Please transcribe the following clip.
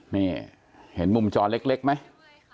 นี่เห็นมุมจอเล็กไหม